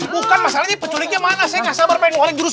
bukan masalahnya penculiknya mana saya gak sabar main warik jurus